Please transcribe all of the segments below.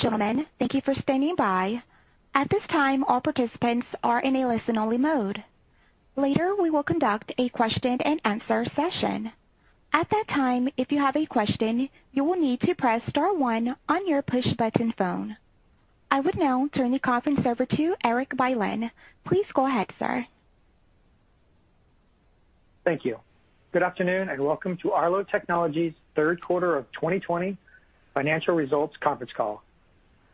Ladies and gentlemen, thank you for standing by. At this time, all participants are in a listen-only mode. Later, we will conduct a question and answer session. At that time, if you have a question, you will need to press star one on your push button phone. I would now turn the conference over to Erik Bylin. Please go ahead, sir. Thank you. Good afternoon, and welcome to Arlo Technologies' third quarter of 2020 financial results conference call.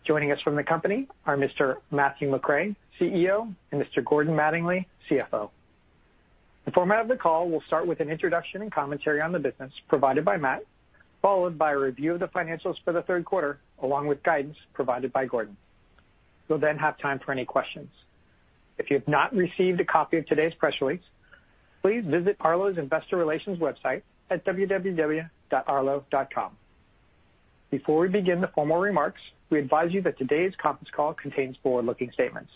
Joining us from the company are Mr. Matthew McRae, CEO, and Mr. Gordon Mattingly, CFO. The format of the call will start with an introduction and commentary on the business provided by Matt, followed by a review of the financials for the third quarter, along with guidance provided by Gordon. We'll have time for any questions. If you've not received a copy of today's press release, please visit Arlo's investor relations website at www.arlo.com. Before we begin the formal remarks, we advise you that today's conference call contains forward-looking statements.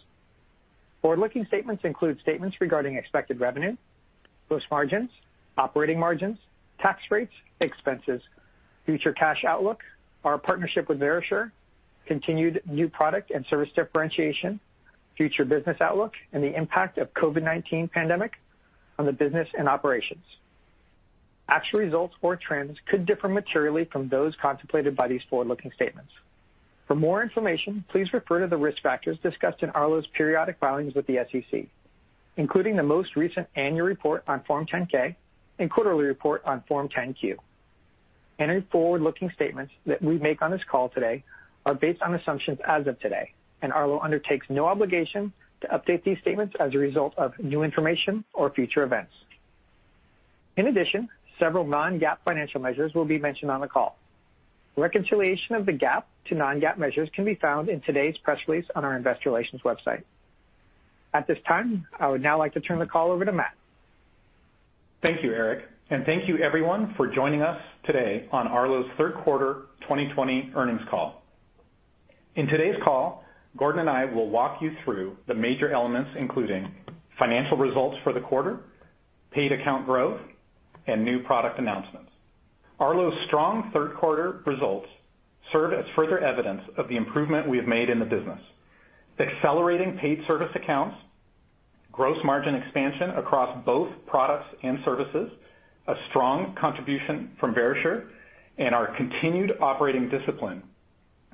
Forward-looking statements include statements regarding expected revenue, gross margins, operating margins, tax rates, expenses, future cash outlook, our partnership with Verisure, continued new product and service differentiation, future business outlook, and the impact of COVID-19 pandemic on the business and operations. Actual results or trends could differ materially from those contemplated by these forward-looking statements. For more information, please refer to the risk factors discussed in Arlo's periodic filings with the SEC, including the most recent annual report on Form 10-K and quarterly report on Form 10-Q. Any forward-looking statements that we make on this call today are based on assumptions as of today, and Arlo undertakes no obligation to update these statements as a result of new information or future events. In addition, several non-GAAP financial measures will be mentioned on the call. Reconciliation of the GAAP to non-GAAP measures can be found in today's press release on our investor relations website. At this time, I would now like to turn the call over to Matt. Thank you, Erik, and thank you everyone for joining us today on Arlo's third quarter 2020 earnings call. In today's call, Gordon and I will walk you through the major elements, including financial results for the quarter, paid account growth, and new product announcements. Arlo's strong third quarter results serve as further evidence of the improvement we have made in the business. The accelerating paid service accounts, gross margin expansion across both products and services, a strong contribution from Verisure, and our continued operating discipline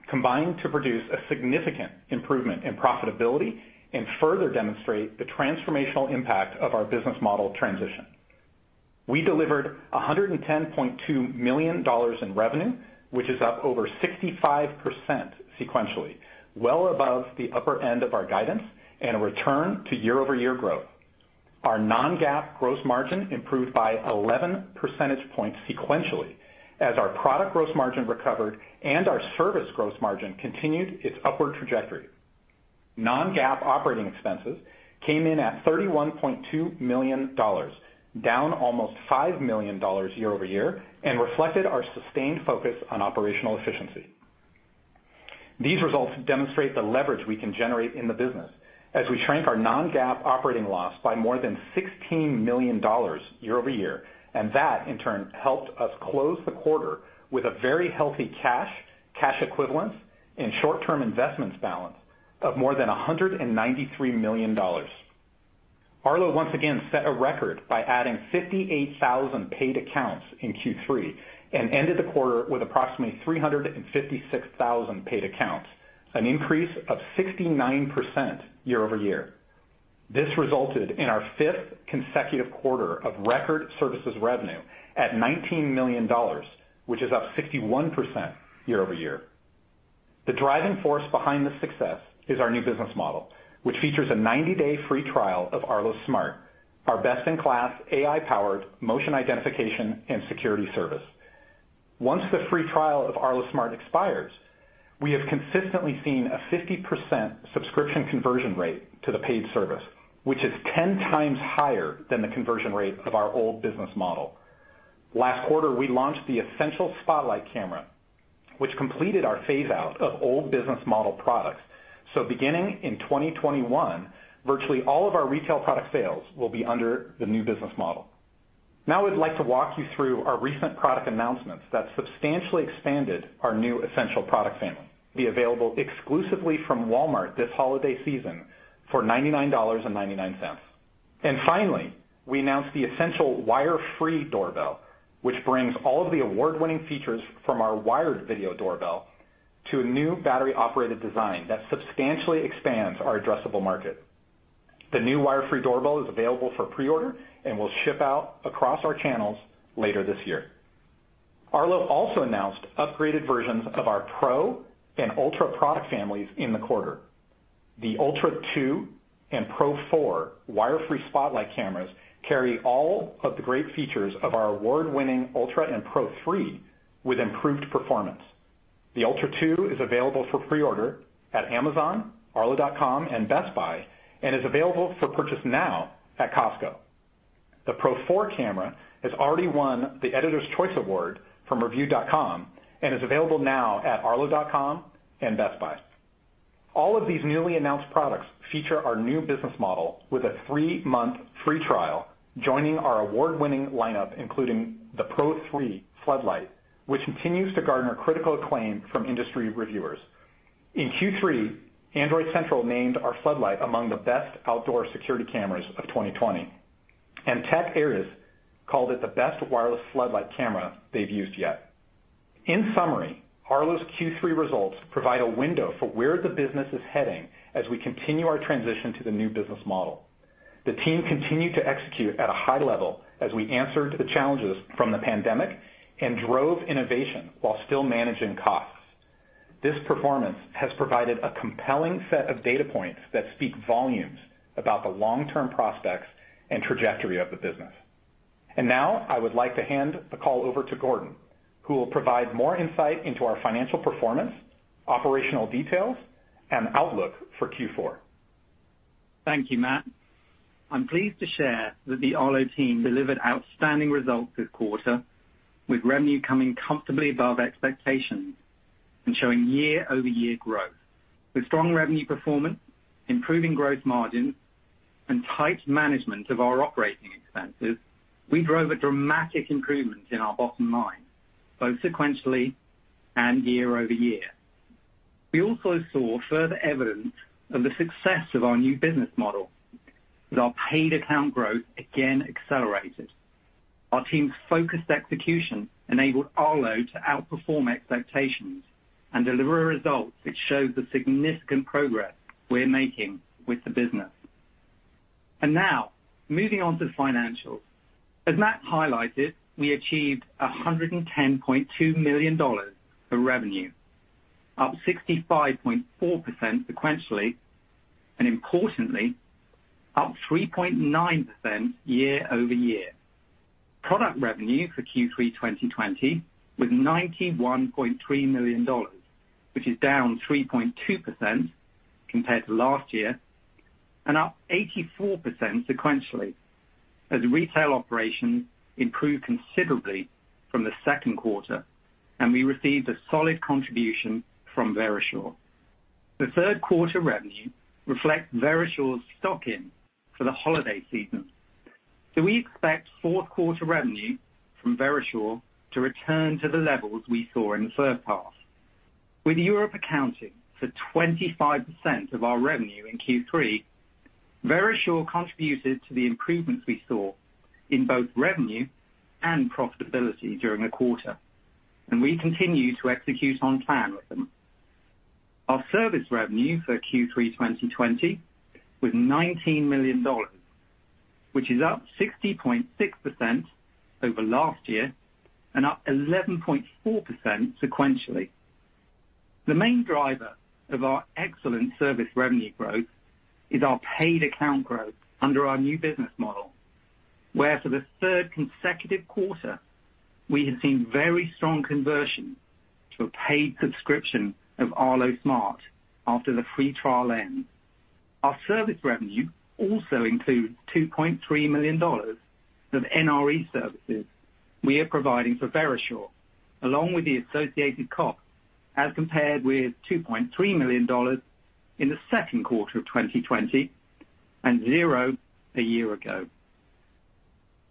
combined to produce a significant improvement in profitability and further demonstrate the transformational impact of our business model transition. We delivered $110.2 million in revenue, which is up over 65% sequentially, well above the upper end of our guidance, and a return to year-over-year growth. Our non-GAAP gross margin improved by 11 percentage points sequentially as our product gross margin recovered and our service gross margin continued its upward trajectory. Non-GAAP operating expenses came in at $31.2 million, down almost $5 million year-over-year, and reflected our sustained focus on operational efficiency. These results demonstrate the leverage we can generate in the business as we shrank our non-GAAP operating loss by more than $16 million year-over-year, and that in turn helped us close the quarter with a very healthy cash equivalents, and short-term investments balance of more than $193 million. Arlo once again set a record by adding 58,000 paid accounts in Q3 and ended the quarter with approximately 356,000 paid accounts, an increase of 69% year-over-year. This resulted in our fifth consecutive quarter of record services revenue at $19 million, which is up 61% year-over-year. The driving force behind this success is our new business model, which features a 90-day free trial of Arlo Smart, our best-in-class AI-powered motion identification and security service. Once the free trial of Arlo Smart expires, we have consistently seen a 50% subscription conversion rate to the paid service, which is 10 times higher than the conversion rate of our old business model. Last quarter, we launched the Essential Spotlight camera, which completed our phase-out of old business model products. Beginning in 2021, virtually all of our retail product sales will be under the new business model. Now I'd like to walk you through our recent product announcements that substantially expanded our new Essential product family. Be available exclusively from Walmart this holiday season for $99.99. Finally, we announced the Essential Wire-Free Doorbell, which brings all of the award-winning features from our wired video doorbell to a new battery-operated design that substantially expands our addressable market. The new Wire-Free Doorbell is available for pre-order and will ship out across our channels later this year. Arlo also announced upgraded versions of our Pro and Ultra product families in the quarter. The Ultra 2 and Pro 4 wire-free spotlight cameras carry all of the great features of our award-winning Ultra and Pro 3 with improved performance. The Ultra 2 is available for pre-order at Amazon, arlo.com, and Best Buy and is available for purchase now at Costco. The Pro 4 camera has already won the Editor's Choice Award from Reviewed.com and is available now at arlo.com and Best Buy. All of these newly announced products feature our new business model with a three-month free trial, joining our award-winning lineup, including the Pro 3 floodlight, which continues to garner critical acclaim from industry reviewers. In Q3, Android Central named our floodlight among the best outdoor security cameras of 2020, and TechHive called it the best wireless floodlight camera they've used yet. In summary, Arlo's Q3 results provide a window for where the business is heading as we continue our transition to the new business model. The team continued to execute at a high level as we answered the challenges from the pandemic and drove innovation while still managing costs. This performance has provided a compelling set of data points that speak volumes about the long-term prospects and trajectory of the business. Now I would like to hand the call over to Gordon, who will provide more insight into our financial performance, operational details, and outlook for Q4. Thank you, Matt. I'm pleased to share that the Arlo team delivered outstanding results this quarter, with revenue coming comfortably above expectations and showing year-over-year growth. With strong revenue performance, improving growth margin, and tight management of our operating expenses, we drove a dramatic improvement in our bottom line, both sequentially and year-over-year. We also saw further evidence of the success of our new business model, with our paid account growth again accelerated. Our team's focused execution enabled Arlo to outperform expectations and deliver results which show the significant progress we're making with the business. Now, moving on to financials. As Matt highlighted, we achieved $110.2 million of revenue, up 65.4% sequentially and importantly, up 3.9% year-over-year. Product revenue for Q3 2020 was $91.3 million, which is down 3.2% compared to last year and up 84% sequentially as retail operations improved considerably from the second quarter, and we received a solid contribution from Verisure. The third quarter revenue reflects Verisure's stock-in for the holiday season. We expect fourth quarter revenue from Verisure to return to the levels we saw in the first half. With Europe accounting for 25% of our revenue in Q3, Verisure contributed to the improvements we saw in both revenue and profitability during the quarter, and we continue to execute on plan with them. Our service revenue for Q3 2020 was $19 million, which is up 60.6% over last year and up 11.4% sequentially. The main driver of our excellent service revenue growth is our paid account growth under our new business model, where for the third consecutive quarter, we have seen very strong conversion to a paid subscription of Arlo Smart after the free trial ends. Our service revenue also includes $2.3 million of NRE services we are providing for Verisure, along with the associated cost as compared with $2.3 million in the second quarter of 2020 and $0 a year ago.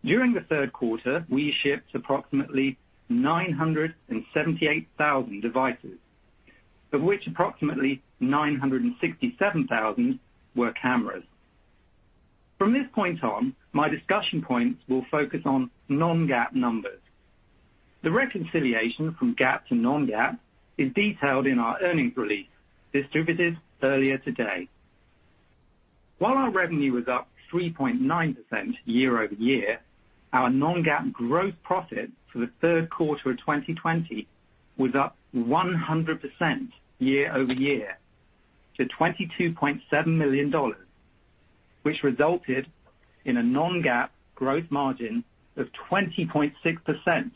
During the third quarter, we shipped approximately 978,000 devices, of which approximately 967,000 were cameras. From this point on, my discussion points will focus on non-GAAP numbers. The reconciliation from GAAP to non-GAAP is detailed in our earnings release distributed earlier today. While our revenue was up 3.9% year-over-year, our non-GAAP gross profit for the third quarter of 2020 was up 100% year-over-year to $22.7 million, which resulted in a non-GAAP gross margin of 20.6%,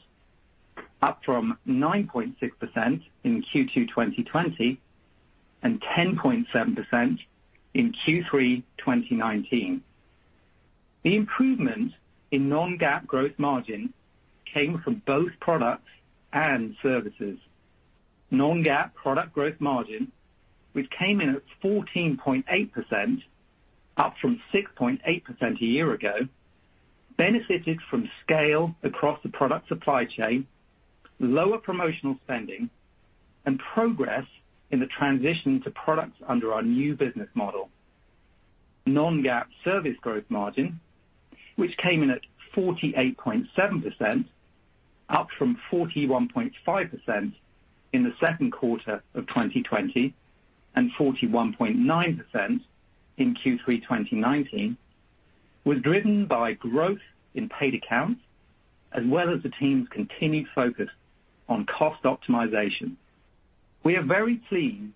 up from 9.6% in Q2 2020 and 10.7% in Q3 2019. The improvement in non-GAAP gross margin came from both products and services. Non-GAAP product gross margin, which came in at 14.8%, up from 6.8% a year ago, benefited from scale across the product supply chain, lower promotional spending, and progress in the transition to products under our new business model. Non-GAAP service gross margin, which came in at 48.7%, up from 41.5% in the second quarter of 2020 and 41.9% in Q3 2019, was driven by growth in paid accounts as well as the team's continued focus on cost optimization. We are very pleased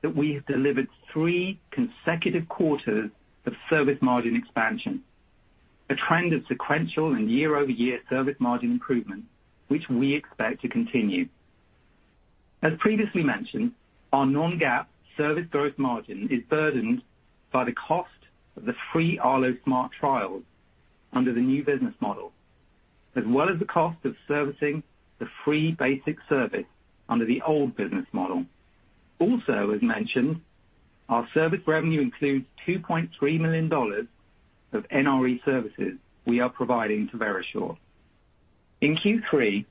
that we have delivered three consecutive quarters of service margin expansion, a trend of sequential and year-over-year service margin improvement, which we expect to continue. As previously mentioned, our non-GAAP service growth margin is burdened by the cost of the free Arlo Smart trials under the new business model. As well as the cost of servicing the free basic service under the old business model. Also, as mentioned, our service revenue includes $2.3 million of NRE services we are providing to Verisure. In Q3,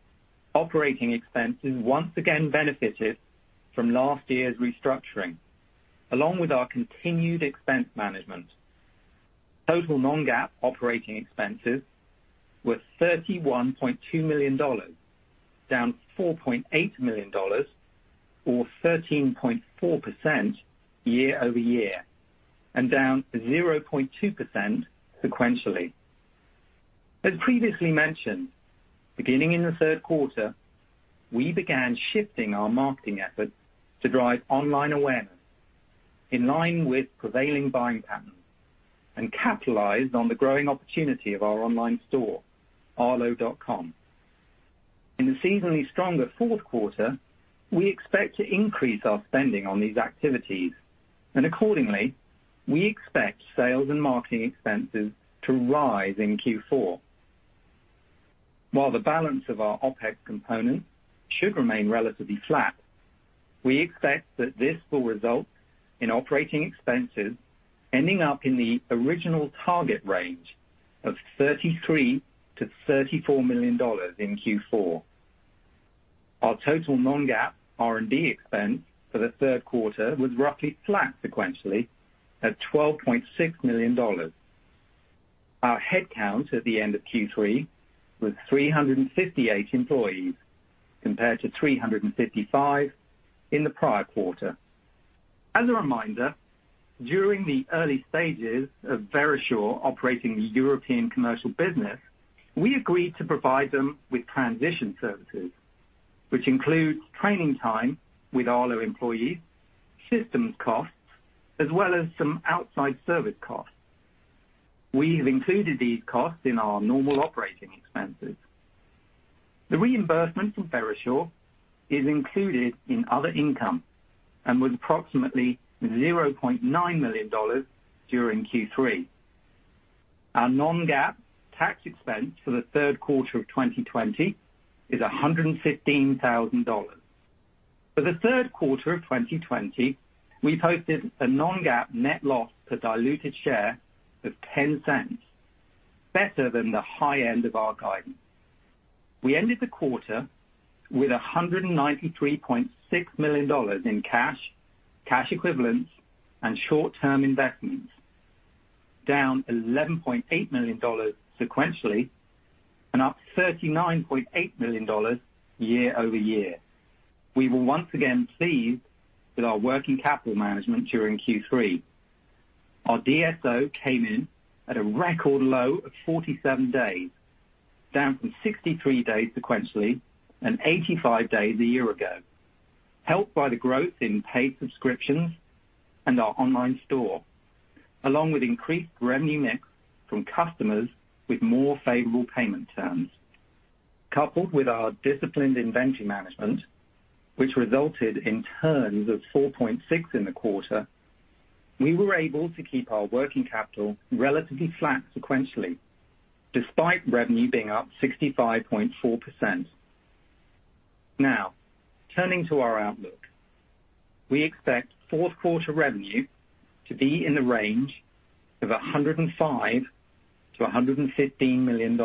operating expenses once again benefited from last year's restructuring, along with our continued expense management. Total non-GAAP operating expenses were $31.2 million, down $4.8 million, or 13.4% year-over-year, and down 0.2% sequentially. As previously mentioned, beginning in the third quarter, we began shifting our marketing efforts to drive online awareness in line with prevailing buying patterns and capitalize on the growing opportunity of our online store, arlo.com. In the seasonally stronger fourth quarter, we expect to increase our spending on these activities, and accordingly, we expect sales and marketing expenses to rise in Q4. While the balance of our OpEx components should remain relatively flat, we expect that this will result in operating expenses ending up in the original target range of $33 million-$34 million in Q4. Our total non-GAAP R&D expense for the third quarter was roughly flat sequentially at $12.6 million. Our head count at the end of Q3 was 358 employees, compared to 355 in the prior quarter. As a reminder, during the early stages of Verisure operating the European commercial business, we agreed to provide them with transition services, which includes training time with Arlo employees, system costs, as well as some outside service costs. We have included these costs in our normal operating expenses. The reimbursement from Verisure is included in other income and was approximately $0.9 million during Q3. Our non-GAAP tax expense for the third quarter of 2020 is $115,000. For the third quarter of 2020, we posted a non-GAAP net loss per diluted share of $0.10, better than the high end of our guidance. We ended the quarter with $193.6 million in cash equivalents, and short-term investments, down $11.8 million sequentially and up $39.8 million year-over-year. We were once again pleased with our working capital management during Q3. Our DSO came in at a record low of 47 days, down from 63 days sequentially and 85 days a year ago, helped by the growth in paid subscriptions and our online store, along with increased revenue mix from customers with more favorable payment terms. Coupled with our disciplined inventory management, which resulted in turns of 4.6 in the quarter, we were able to keep our working capital relatively flat sequentially, despite revenue being up 65.4%. Now, turning to our outlook. We expect fourth quarter revenue to be in the range of $105 million-$115 million.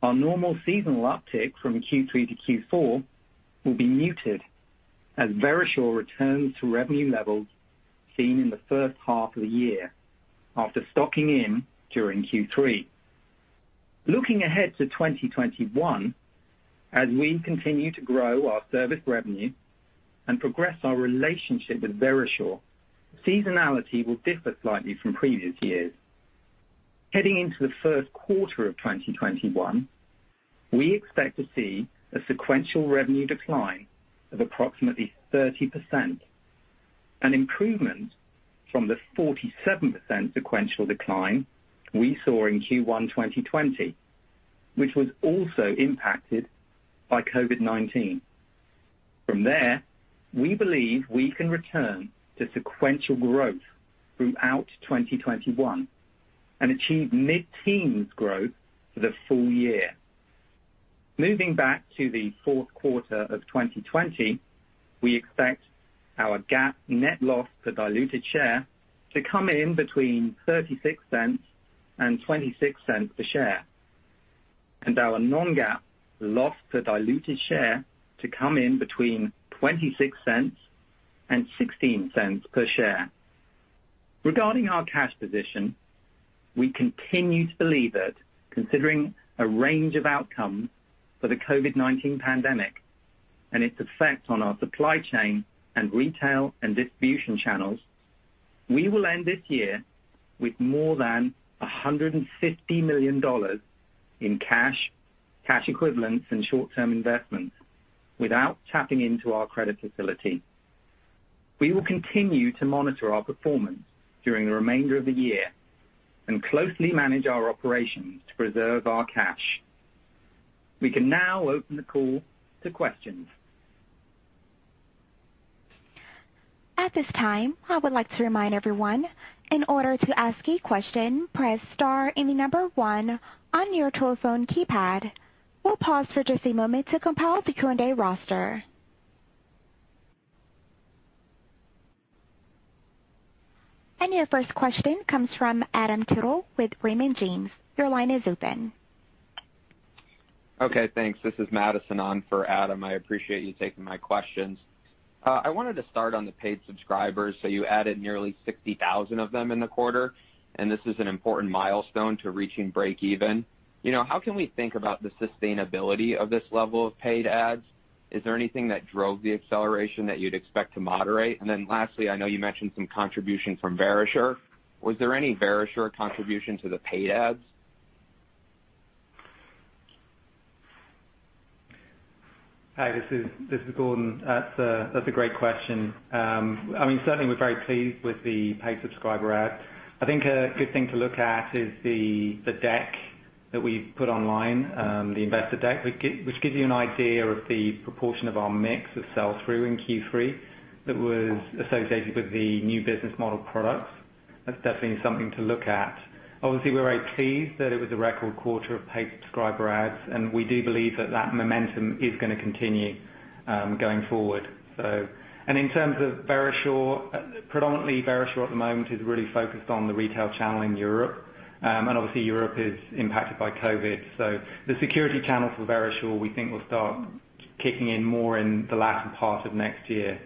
Our normal seasonal uptick from Q3 to Q4 will be muted as Verisure returns to revenue levels seen in the first half of the year after stocking in during Q3. Looking ahead to 2021, as we continue to grow our service revenue and progress our relationship with Verisure, seasonality will differ slightly from previous years. Heading into the first quarter of 2021, we expect to see a sequential revenue decline of approximately 30%, an improvement from the 47% sequential decline we saw in Q1 2020, which was also impacted by COVID-19. From there, we believe we can return to sequential growth throughout 2021 and achieve mid-teens growth for the full year. Moving back to the fourth quarter of 2020, we expect our GAAP net loss per diluted share to come in between $0.36 and $0.26 a share, and our non-GAAP loss per diluted share to come in between $0.26 and $0.16 per share. Regarding our cash position, we continue to believe that considering a range of outcomes for the COVID-19 pandemic and its effect on our supply chain and retail and distribution channels, we will end this year with more than $150 million in cash equivalents, and short-term investments without tapping into our credit facility. We will continue to monitor our performance during the remainder of the year and closely manage our operations to preserve our cash. We can now open the call to questions. At this time, I would like to remind everyone, in order to ask a question, press star and the number one on your telephone keypad. We'll pause for just a moment to compile the Q&A roster. Your first question comes from Adam Tindle with Raymond James. Your line is open. Okay, thanks. This is Madison on for Adam. I appreciate you taking my questions. I wanted to start on the paid subscribers. You added nearly 60,000 of them in the quarter, and this is an important milestone to reaching breakeven. How can we think about the sustainability of this level of paid adds? Is there anything that drove the acceleration that you'd expect to moderate? Lastly, I know you mentioned some contribution from Verisure. Was there any Verisure contribution to the paid adds? Hi, this is Gordon. That's a great question. Certainly, we're very pleased with the paid subscriber adds. I think a good thing to look at is the deck that we've put online, the investor deck, which gives you an idea of the proportion of our mix of sell-through in Q3 that was associated with the new business model products. That's definitely something to look at. Obviously, we're very pleased that it was a record quarter of paid subscriber adds. We do believe that momentum is going to continue going forward. In terms of Verisure, predominantly Verisure at the moment is really focused on the retail channel in Europe. Obviously Europe is impacted by COVID. The security channel for Verisure, we think will start kicking in more in the latter part of next year.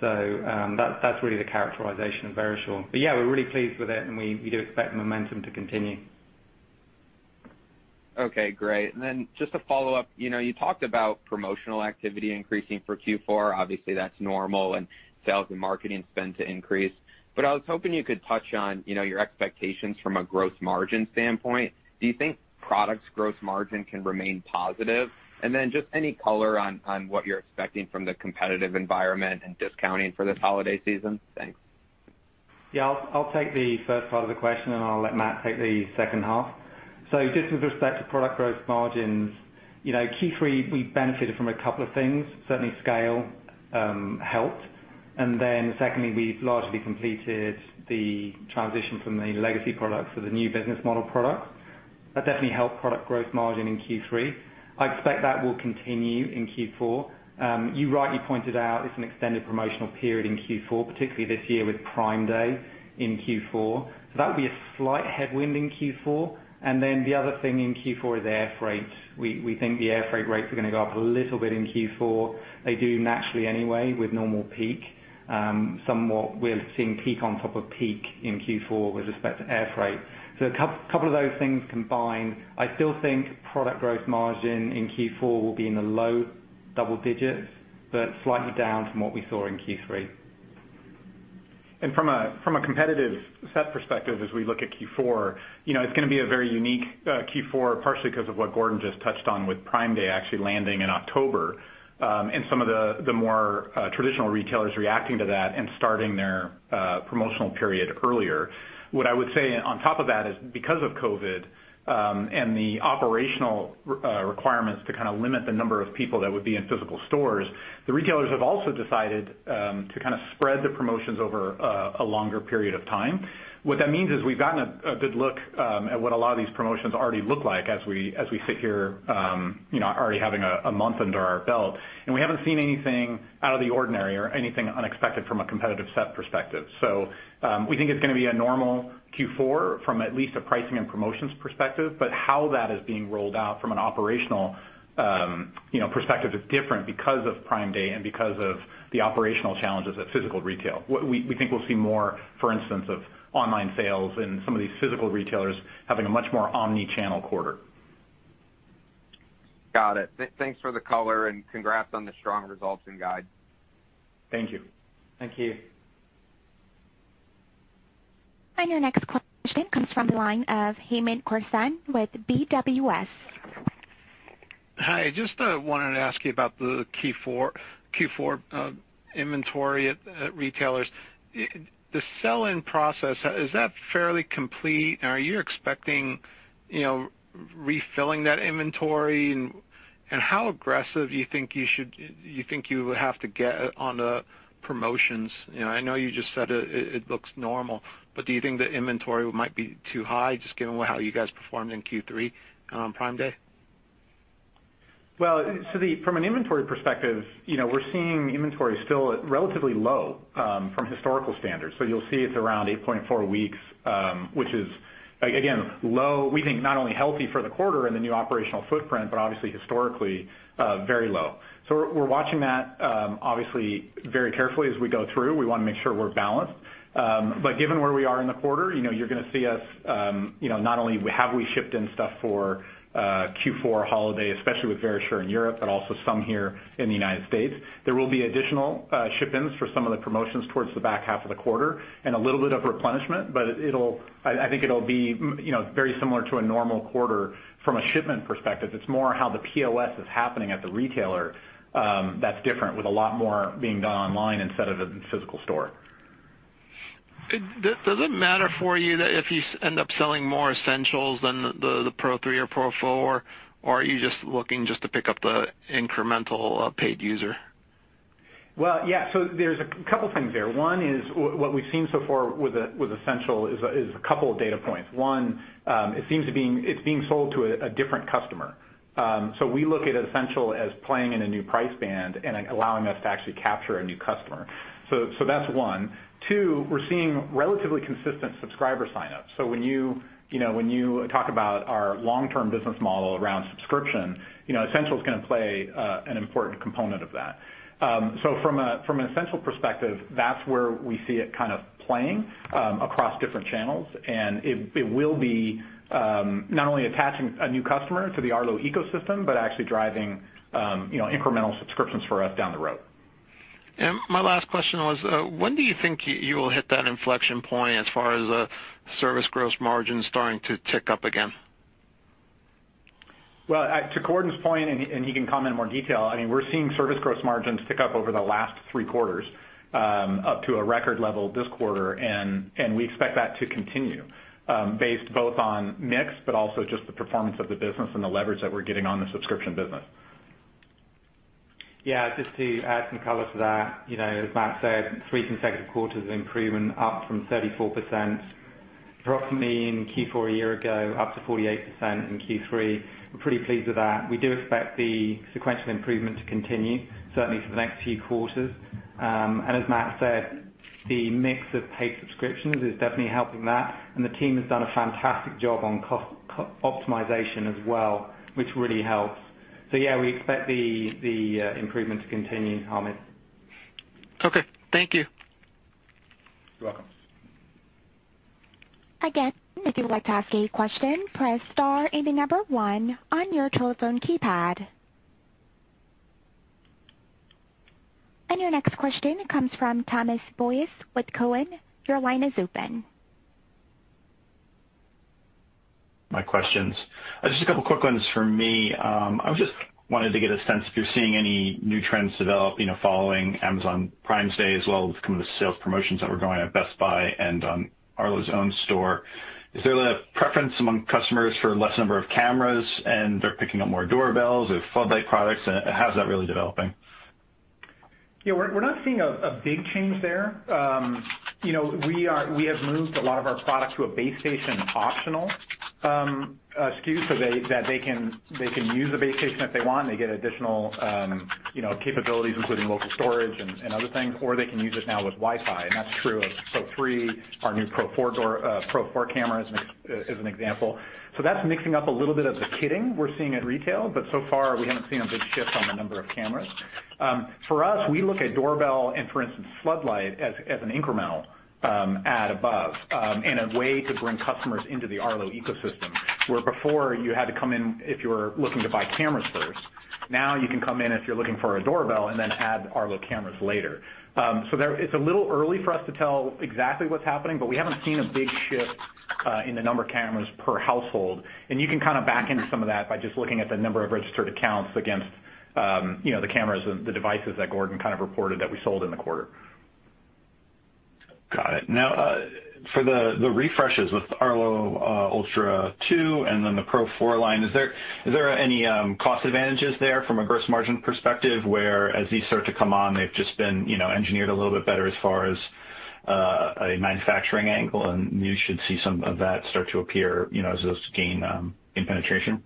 That's really the characterization of Verisure. Yeah, we're really pleased with it and we do expect momentum to continue. Okay, great. Just a follow-up. You talked about promotional activity increasing for Q4. Obviously, that's normal and sales and marketing spend to increase. I was hoping you could touch on your expectations from a gross margin standpoint. Do you think products gross margin can remain positive? Just any color on what you're expecting from the competitive environment and discounting for this holiday season? Thanks. Yeah. I'll take the first part of the question and I'll let Matt take the second half. Just with respect to product gross margins, Q3, we benefited from a couple of things. Certainly scale helped. Secondly, we've largely completed the transition from the legacy products to the new business model products. That definitely helped product gross margin in Q3. I expect that will continue in Q4. You rightly pointed out it's an extended promotional period in Q4, particularly this year with Prime Day in Q4. That would be a slight headwind in Q4. The other thing in Q4 is air freight. We think the air freight rates are going to go up a little bit in Q4. They do naturally anyway with normal peak. Somewhat, we're seeing peak on top of peak in Q4 with respect to air freight. A couple of those things combined. I still think product gross margin in Q4 will be in the low double digits, but slightly down from what we saw in Q3. From a competitive set perspective, as we look at Q4, it's going to be a very unique Q4, partially because of what Gordon just touched on with Prime Day actually landing in October. Some of the more traditional retailers reacting to that and starting their promotional period earlier. What I would say on top of that is because of COVID, and the operational requirements to kind of limit the number of people that would be in physical stores, the retailers have also decided to spread the promotions over a longer period of time. What that means is we've gotten a good look at what a lot of these promotions already look like as we sit here already having a month under our belt, and we haven't seen anything out of the ordinary or anything unexpected from a competitive set perspective. We think it's going to be a normal Q4 from at least a pricing and promotions perspective. How that is being rolled out from an operational perspective is different because of Prime Day and because of the operational challenges at physical retail. We think we'll see more, for instance, of online sales and some of these physical retailers having a much more omni-channel quarter. Got it. Thanks for the color and congrats on the strong results and guide. Thank you. Thank you. Your next question comes from the line of Hamed Khorsand with BWS. Hi, just wanted to ask you about the Q4 inventory at retailers. The sell-in process, is that fairly complete? Are you expecting refilling that inventory? How aggressive do you think you will have to get on the promotions? I know you just said it looks normal, but do you think the inventory might be too high just given how you guys performed in Q3 on Prime Day? Well, from an inventory perspective, we're seeing inventory still relatively low from historical standards. You'll see it's around 8.4 weeks, which is again, low, we think not only healthy for the quarter and the new operational footprint, but obviously historically very low. We're watching that obviously very carefully as we go through. We want to make sure we're balanced. Given where we are in the quarter, you're going to see us not only have we shipped in stuff for Q4 holiday, especially with Verisure in Europe, but also some here in the United States. There will be additional ship-ins for some of the promotions towards the back half of the quarter and a little bit of replenishment, but I think it'll be very similar to a normal quarter from a shipment perspective. It's more how the POS is happening at the retailer that's different with a lot more being done online instead of the physical store. Does it matter for you that if you end up selling more Essentials than the Pro 3 or Pro 4, or are you just looking just to pick up the incremental paid user? Well, yeah. There's 2 things there. One is what we've seen so far with Essential is 2 data points. One, it's being sold to a different customer. We look at Essential as playing in a new price band and allowing us to actually capture a new customer. That's one. Two, we're seeing relatively consistent subscriber sign-ups. When you talk about our long-term business model around subscription, Essential is going to play an important component of that. From an Essential perspective, that's where we see it kind of playing across different channels, and it will be not only attaching a new customer to the Arlo ecosystem, but actually driving incremental subscriptions for us down the road. My last question was, when do you think you will hit that inflection point as far as service gross margin starting to tick up again? Well, to Gordon's point, he can comment in more detail. We're seeing service gross margins tick up over the last three quarters, up to a record level this quarter, and we expect that to continue, based both on mix, but also just the performance of the business and the leverage that we're getting on the subscription business. Yeah, just to add some color to that, as Matt said, three consecutive quarters of improvement up from 34%, approximately in Q4 a year ago, up to 48% in Q3. We're pretty pleased with that. We do expect the sequential improvement to continue, certainly for the next few quarters. As Matt said, the mix of paid subscriptions is definitely helping that, and the team has done a fantastic job on cost optimization as well, which really helps. Yeah, we expect the improvement to continue, Hamed. Okay. Thank you. You're welcome. Again, if you would like to ask a question, press star and the number one on your telephone keypad. Your next question comes from Thomas Boyes with Cowen. Your line is open. My questions. Just a couple quick ones from me. I just wanted to get a sense if you're seeing any new trends developing following Amazon Prime Day, as well as kind of the sales promotions that were going on at Best Buy and on Arlo's own store. Is there a preference among customers for less number of cameras, and they're picking up more doorbells or floodlight products, and how's that really developing? Yeah, we're not seeing a big change there. We have moved a lot of our product to a base station optional SKU, so that they can use the base station if they want, and they get additional capabilities, including local storage and other things, or they can use it now with Wi-Fi, and that's true of Pro 3, our new Pro 4 cameras, as an example. That's mixing up a little bit of the kitting we're seeing at retail, but so far, we haven't seen a big shift on the number of cameras. For us, we look at doorbell and, for instance, floodlight as an incremental add above, and a way to bring customers into the Arlo ecosystem, where before you had to come in, if you were looking to buy cameras first, now you can come in if you're looking for a doorbell and then add Arlo cameras later. It's a little early for us to tell exactly what's happening, but we haven't seen a big shift in the number of cameras per household, and you can kind of back into some of that by just looking at the number of registered accounts against the cameras and the devices that Gordon kind of reported that we sold in the quarter. Got it. For the refreshes with Arlo Ultra 2, and then the Pro 4 line, is there any cost advantages there from a gross margin perspective where as these start to come on, they've just been engineered a little bit better as far as a manufacturing angle, and you should see some of that start to appear as those gain in penetration?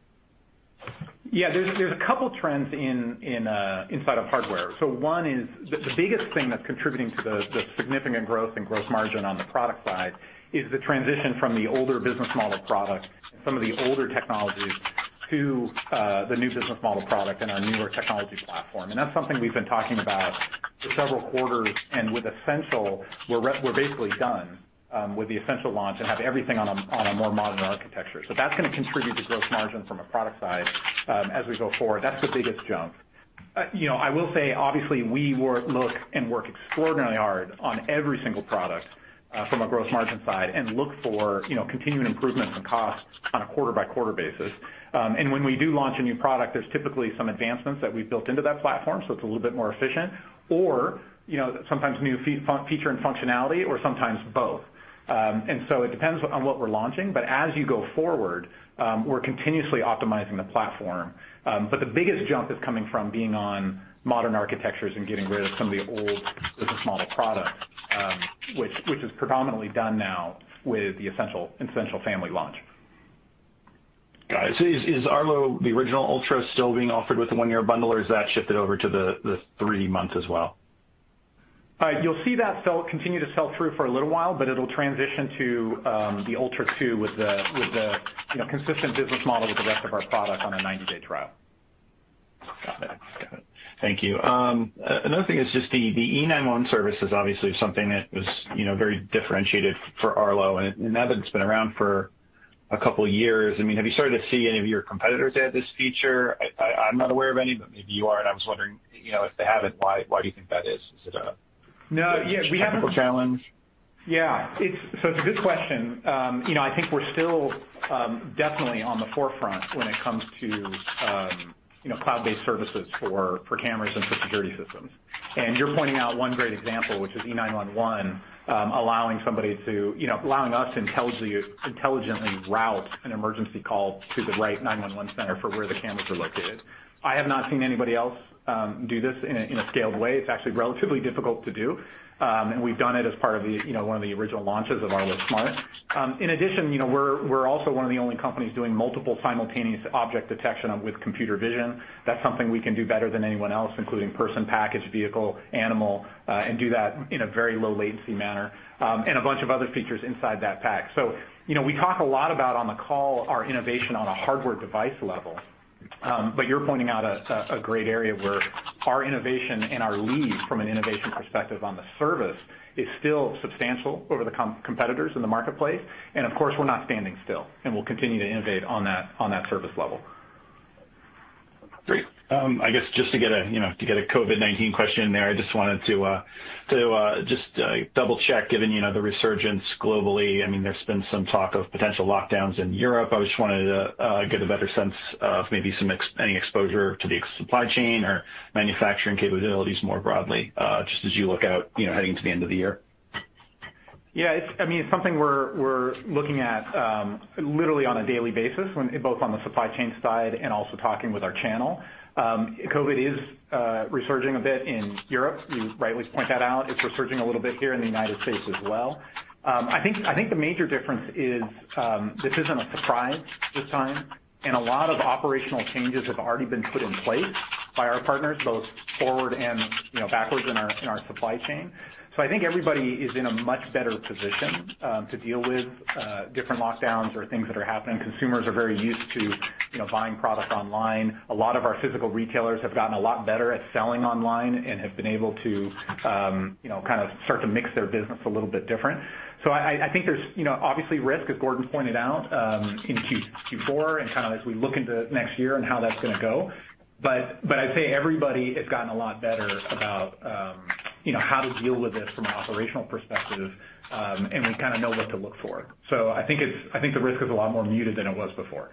Yeah, there's a couple trends inside of hardware. One is the biggest thing that's contributing to the significant growth and gross margin on the product side is the transition from the older business model product and some of the older technologies to the new business model product and our newer technology platform. That's something we've been talking about for several quarters, and with Essential, we're basically done with the Essential launch and have everything on a more modern architecture. That's going to contribute to gross margin from a product side as we go forward. That's the biggest jump. I will say, obviously, we look and work extraordinarily hard on every single product from a gross margin side and look for continuing improvements in costs on a quarter-by-quarter basis. When we do launch a new product, there's typically some advancements that we've built into that platform, so it's a little bit more efficient, or sometimes new feature and functionality or sometimes both. It depends on what we're launching. As you go forward, we're continuously optimizing the platform. The biggest jump is coming from being on modern architectures and getting rid of some of the old business model products, which is predominantly done now with the Essential family launch. Got it. Is Arlo, the original Ultra, still being offered with the one-year bundle, or has that shifted over to the three months as well? You'll see that continue to sell through for a little while, but it'll transition to the Ultra 2 with the consistent business model with the rest of our product on a 90-day trial. Got it. Thank you. Another thing is just the e911 service is obviously something that was very differentiated for Arlo, and now that it's been around for a couple years, have you started to see any of your competitors add this feature? I'm not aware of any, but maybe you are, and I was wondering if they haven't, why do you think that is? No, yeah, we haven't. technical challenge? Yeah. It's a good question. I think we're still definitely on the forefront when it comes to cloud-based services for cameras and for security systems. You're pointing out one great example, which is e911, allowing us to intelligently route an emergency call to the right 911 center for where the cameras are located. I have not seen anybody else do this in a scaled way. It's actually relatively difficult to do. We've done it as part of one of the original launches of Arlo Smart. In addition, we're also one of the only companies doing multiple simultaneous object detection with computer vision. That's something we can do better than anyone else, including person, package, vehicle, animal, and do that in a very low latency manner, and a bunch of other features inside that pack. We talk a lot about, on the call, our innovation on a hardware device level. You're pointing out a great area where our innovation and our lead from an innovation perspective on the service is still substantial over the competitors in the marketplace. Of course, we're not standing still, and we'll continue to innovate on that service level. Great. I guess, just to get a COVID-19 question in there. I just wanted to double-check, given the resurgence globally, there's been some talk of potential lockdowns in Europe. I just wanted to get a better sense of maybe any exposure to the supply chain or manufacturing capabilities more broadly, just as you look out heading to the end of the year. Yeah. It's something we're looking at literally on a daily basis, both on the supply chain side and also talking with our channel. COVID is resurging a bit in Europe. You rightly point that out. It's resurging a little bit here in the U.S. as well. I think the major difference is this isn't a surprise this time, and a lot of operational changes have already been put in place by our partners, both forward and backwards in our supply chain. I think everybody is in a much better position to deal with different lockdowns or things that are happening. Consumers are very used to buying product online. A lot of our physical retailers have gotten a lot better at selling online and have been able to start to mix their business a little bit different. I think there's obviously risk, as Gordon pointed out, in Q4 and as we look into next year and how that's going to go. I'd say everybody has gotten a lot better about how to deal with this from an operational perspective, and we kind of know what to look for. I think the risk is a lot more muted than it was before.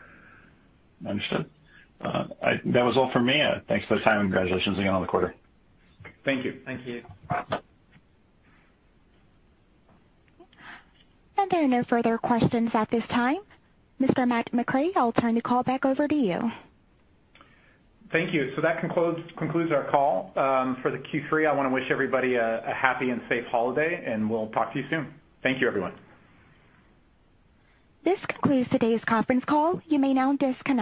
Understood. That was all from me. Thanks for the time. Congratulations again on the quarter. Thank you. Thank you. There are no further questions at this time. Mr. Matthew McRae, I'll turn the call back over to you. Thank you. That concludes our call for the Q3. I want to wish everybody a happy and safe holiday, and we'll talk to you soon. Thank you, everyone. This concludes today's conference call. You may now disconnect.